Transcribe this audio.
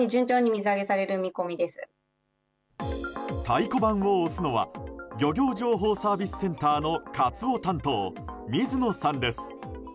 太鼓判を押すのは漁業情報サービスセンターのカツオ担当、水野さんです。